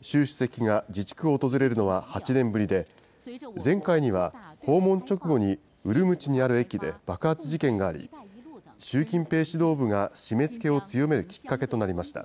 習主席が自治区を訪れるのは８年ぶりで、前回には訪問直後にウルムチにある駅で爆発事件があり、習近平指導部が締めつけを強めるきっかけとなりました。